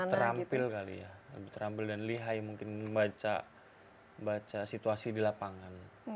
lebih terampil kali ya lebih terampil dan lihai mungkin membaca situasi di lapangan